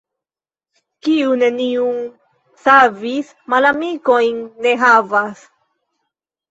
Kiu neniun savis, malamikojn ne havas.